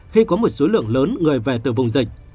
khi có một số lượng lớn người về từ vùng dịch